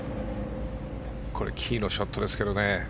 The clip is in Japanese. これキーのショットですけどね。